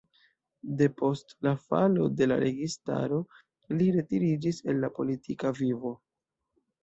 Depost la falo de la registaro li retiriĝis el la politika vivo.